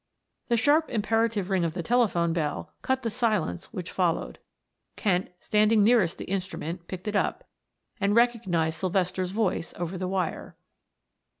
The sharp imperative ring of the telephone bell cut the silence which followed. Kent, standing nearest the instrument, picked it up, and recognized Sylvester's voice over the wire.